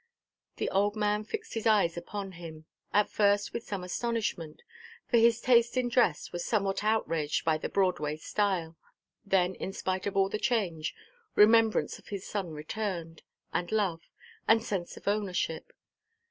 The old man fixed his eyes upon him, at first with some astonishment—for his taste in dress was somewhat outraged by the Broadway style—then, in spite of all the change, remembrance of his son returned, and love, and sense of ownership.